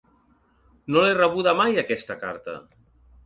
No l’he rebuda mai, aquesta carta.